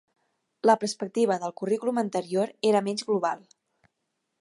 La perspectiva del currículum anterior era menys global.